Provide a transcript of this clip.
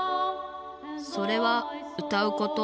それはうたうこと。